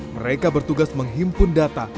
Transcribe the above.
mereka bertugas menghimpun data